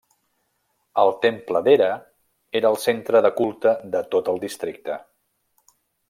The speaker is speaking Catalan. El temple d'Hera era el centre de culte de tot el districte.